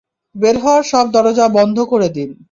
বের হওয়ার সব দরজা বন্ধ করে দিন।